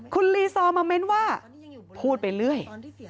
คุณลีซอร์มาเม้นว่าพูดไปเรื่อย